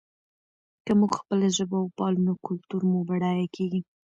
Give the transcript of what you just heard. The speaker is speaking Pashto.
که موږ خپله ژبه وپالو نو کلتور مو بډایه کېږي.